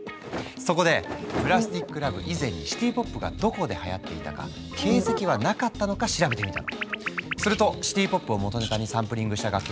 そこで「ＰＬＡＳＴＩＣＬＯＶＥ」以前にシティ・ポップがどこではやっていたか形跡はなかったのか調べてみたの。